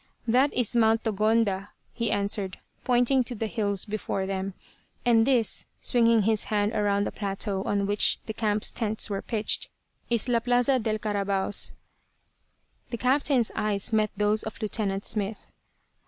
"That is Mt. Togonda," he answered, pointing to the hills before them, "and this," swinging his hand around the plateau on which the camp's tents were pitched, "is La Plaza del Carabaos." The captain's eyes met those of Lieutenant Smith.